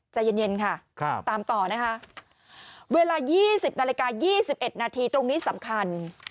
ใจเย็นเย็นค่ะครับตามต่อนะคะเวลายี่สิบนาฬิกายี่สิบเอ็ดนาทีตรงนี้สำคัญ